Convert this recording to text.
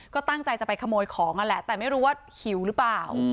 ก็ตั้งใจจะไปขโมยของนั่นแหละแต่ไม่รู้ว่าหิวหรือเปล่า